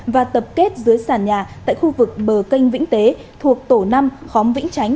và tập kết dưới sản nhà tại khu vực bờ canh vĩnh tế thuộc tổ năm khóng vĩnh chánh